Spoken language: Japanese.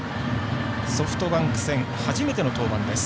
ソフトバンク戦初めての登板です。